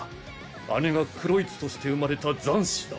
姉がクロイツとして生まれた残滓だ